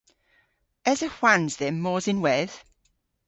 Esa hwans dhymm mos ynwedh?